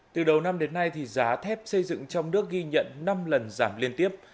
từ đầu năm đến nay giá thép xây dựng trong nước ghi nhận năm lần giảm liên tiếp